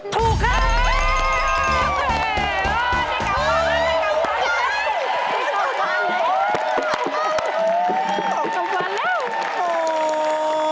ถูกครับ